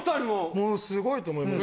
もう凄いと思います。